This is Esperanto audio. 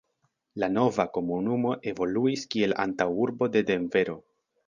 La nova komunumo evoluis kiel antaŭurbo de Denvero.